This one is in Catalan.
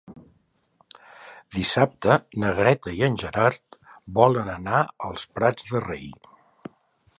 Dissabte na Greta i en Gerard volen anar als Prats de Rei.